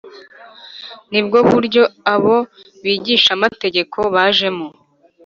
nibwo buryo abo bigishamategeko bajemo